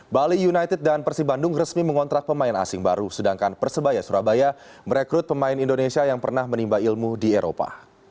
bali united dan persibandung resmi mengontrak pemain asing baru sedangkan persebaya surabaya merekrut pemain indonesia yang pernah menimba ilmu di eropa